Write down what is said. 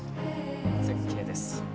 絶景です。